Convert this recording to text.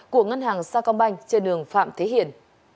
của ngân hàng sa công banh trên đường phạm thế hiển